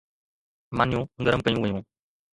مانيون گرم ڪيون ويون